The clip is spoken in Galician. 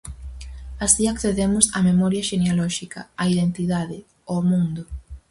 Así accedemos á memoria xenealóxica, á identidade, ao mundo.